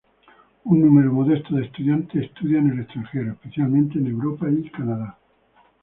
Un número modesto de estudiantes estudia en el extranjero, especialmente en Europa y Canadá.